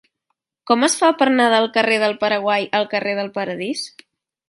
Com es fa per anar del carrer del Paraguai al carrer del Paradís?